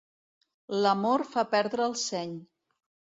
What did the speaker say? L'amor fa perdre el seny.